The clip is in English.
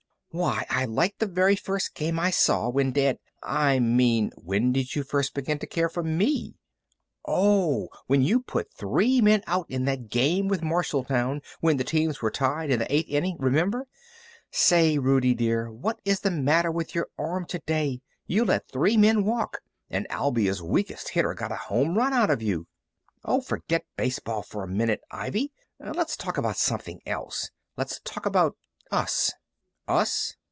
"Why I liked the very first game I saw when Dad " "I mean, when did you first begin to care for me?" "Oh! When you put three men out in that game with Marshalltown when the teams were tied in the eighth inning. Remember? Say, Rudie dear, what was the matter with your arm to day? You let three men walk, and Albia's weakest hitter got a home run out of you." "Oh, forget baseball for a minute, Ivy! Let's talk about something else. Let's talk about us." "Us?